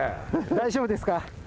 大丈夫ですか？